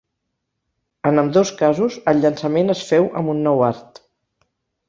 En ambdós casos, el llançament es féu amb un nou art.